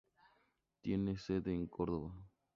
Tiene sede en Córdoba.